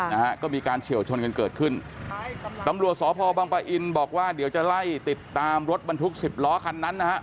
นะฮะก็มีการเฉียวชนกันเกิดขึ้นตำรวจสพบังปะอินบอกว่าเดี๋ยวจะไล่ติดตามรถบรรทุกสิบล้อคันนั้นนะฮะ